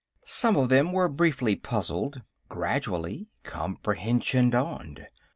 Some of them were briefly puzzled; gradually, comprehension dawned.